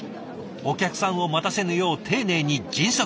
お客さんを待たせぬよう丁寧に迅速に。